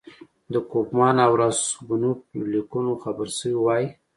د کوفمان او راسګونوف له لیکونو خبر شوی وای.